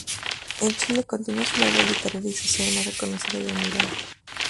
En Chile continúa su labor literaria y social más reconocida y admirada.